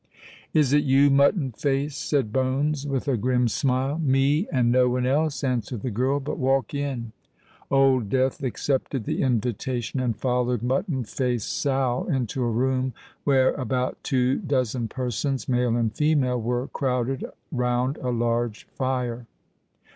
"Is it you, Mutton Face?" said Bones, with a grim smile. "Me—and no one else," answered the girl. "But walk in." Old Death accepted the invitation, and followed Mutton Face Sal into a room where about two dozen persons, male and female, were crowded round a large fire.